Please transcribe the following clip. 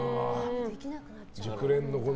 熟練の。